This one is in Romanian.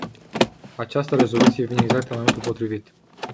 Această rezoluție vine exact la momentul potrivit.